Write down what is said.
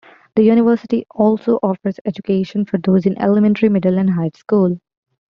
The university also offers education for those in elementary, middle, and high school.